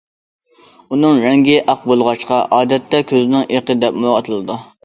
ئۇنىڭ رەڭگى ئاق بولغاچقا ئادەتتە كۆزنىڭ ئېقى دەپمۇ ئاتىلىدۇ.